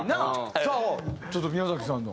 さあちょっと宮崎さんの。